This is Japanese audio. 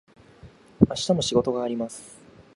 明日も仕事があります。